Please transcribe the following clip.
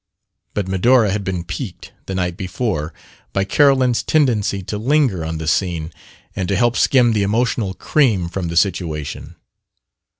But Medora had been piqued, the night before, by Carolyn's tendency to linger on the scene and to help skim the emotional cream from the situation.